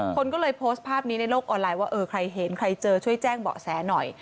คนก็เลยโพสต์ภาพนี้ในโลกออนไลน์ว่าเออใครเห็นใครเจอช่วยแจ้งเบาะแสหน่อย